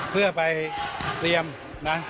เพื่อไปเตรียมนะ